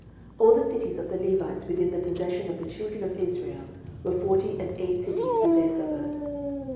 06:021:041 All the cities of the Levites within the possession of the children of Israel were forty and eight cities with their suburbs.